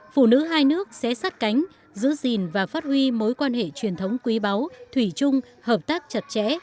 phụ nữ hai nước sẽ sát cánh giữ gìn và phát huy mối quan hệ truyền thống quý báu thủy chung hợp tác chặt chẽ